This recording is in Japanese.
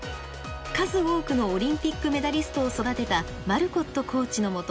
数多くのオリンピックメダリストを育てたマルコットコーチのもと